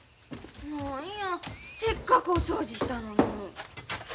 何やせっかくお掃除したのに。